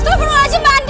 kok kayak suara